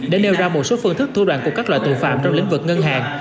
đã nêu ra một số phương thức thu đoàn của các loại tội phạm trong lĩnh vực ngân hàng